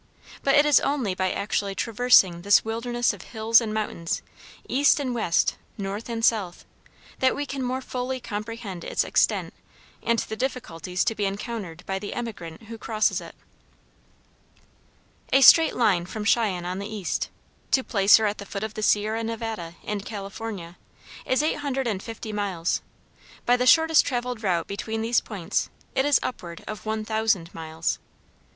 But it is only by actually traversing this wilderness of hills and mountains, east and west, north and south, that we can more fully comprehend its extent and the difficulties to be encountered by the emigrant who crosses it. A straight line from Cheyenne on the east, to Placer at the foot of the Sierra Nevada in California, is eight hundred and fifty miles; by the shortest traveled route between these points it is upward of one thousand miles.